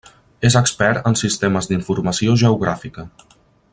És expert en Sistemes d'Informació Geogràfica.